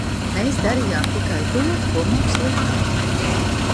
Mēs darījām tikai to, ko mums lika!